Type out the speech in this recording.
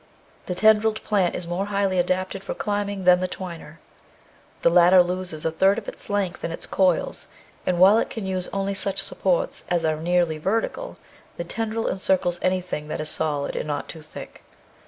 The tendrilled plant is more highly adapted for climbing than the twiner. The latter loses a third of its length in its coils, and while it can use only such supports as are nearly vertical, the ten dril encircles anything that is solid and not too thick.